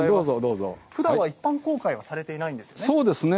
ふだんは一般公開はされてないんですよね。